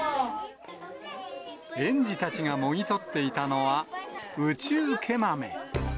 園児たちがもぎ取っていたのは、宇宙毛豆。